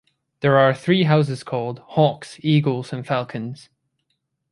There are three houses called Hawks, Eagles and Falcons.